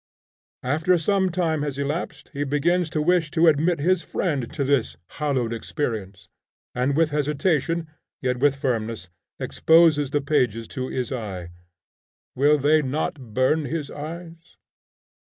After some time has elapsed, he begins to wish to admit his friend to this hallowed experience, and with hesitation, yet with firmness, exposes the pages to his eye. Will they not burn his eyes?